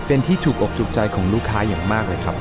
เป็นที่ถูกอกถูกใจของลูกค้าอย่างมากเลยครับ